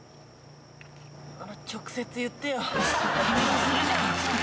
直接言ってよ。